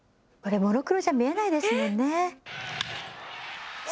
モノクロじゃ見えないですもんね。